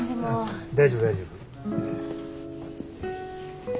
大丈夫大丈夫。